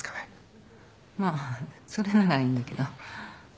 まあそれならいいんだけど。